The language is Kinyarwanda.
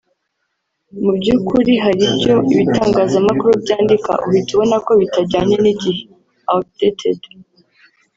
Mu by’ukurihari ibyo ibitangazamakuru byandika uhita ubona ko bitajyanye n’igihe(Outdated)